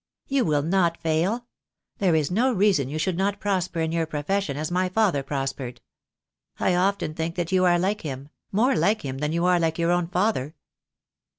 "You will not fail. There is no reason you should not prosper in your profession as my father prospered. I often think that you are like him — more like him than you are like your own father."